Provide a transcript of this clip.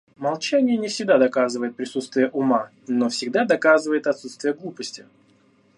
Молчание не всегда доказывает присутствие ума, но всегда доказывает отсутствие глупости.